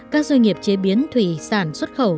các doanh nghiệp chế biến thủy sản xuất khẩu